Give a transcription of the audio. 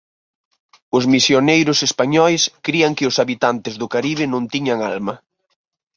Os misioneiros españois crían que os habitantes do Caribe non tiña alma.